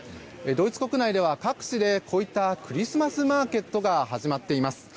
ドイツ国内では各地でこういったクリスマスマーケットが始まっています。